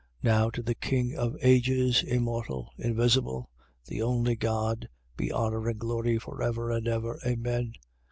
1:17. Now to the king of ages, immortal, invisible, the only God, be honour and glory for ever and ever. Amen.